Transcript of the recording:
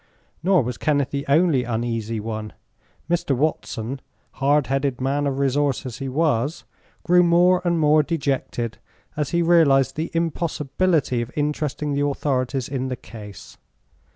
Nor was Kenneth the only uneasy one. Mr. Watson, hard headed man of resource as he was, grew more and more dejected as he realized the impossibility of interesting the authorities in the case.